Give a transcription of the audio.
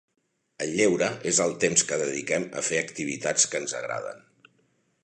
El lleure és el temps que dediquem a fer activitats que ens agraden.